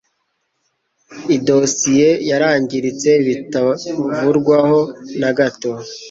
Idosiye yarangiritse bita vurwaho n’agato